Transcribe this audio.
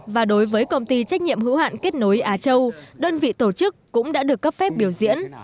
và đối với công ty trách nhiệm hữu hạn kết nối á châu đơn vị tổ chức cũng đã được cấp phép biểu diễn